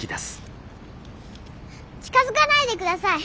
近づかないで下さい！